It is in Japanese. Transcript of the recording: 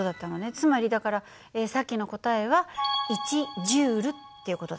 つまりだからさっきの答えは１Ｊっていう事だ。